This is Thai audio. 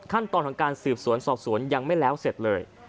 ขั้นตอนของการสืบสวนสอบสวนยังไม่แล้วเสร็จเลย